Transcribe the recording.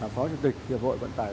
phó thủ tịch hiệp hội vận tải